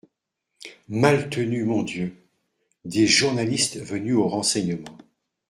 Maltenu Mon Dieu !… des journalistes venus aux renseignements.